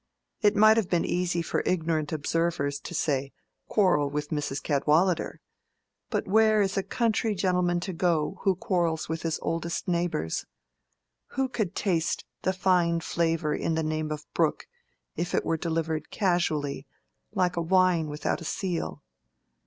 It might have been easy for ignorant observers to say, "Quarrel with Mrs. Cadwallader;" but where is a country gentleman to go who quarrels with his oldest neighbors? Who could taste the fine flavor in the name of Brooke if it were delivered casually, like wine without a seal?